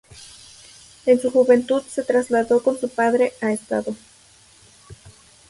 En su juventud se trasladó con su padre a Edo.